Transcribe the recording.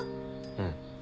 うん。